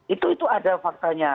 itu itu ada faktanya